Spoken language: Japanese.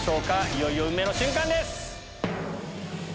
いよいよ運命の瞬間です！